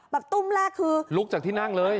ตุ้มแรกคือลุกจากที่นั่งเลย